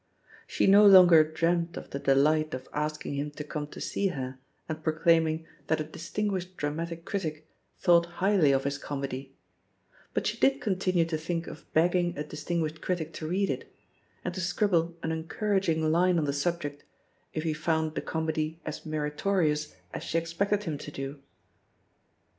She no longer dreamed of the delight of asking him to come to see her and proclaiming that a distinguished dramatic critic thought highly of his comedy, but she did continue to think of beg ging a distinguished critic to read it, and to scrib ble an encouraging line on the subject if he f oimd the comedy as meritorious as she expected him to do.